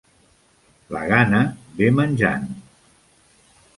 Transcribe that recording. La gana ve menjant.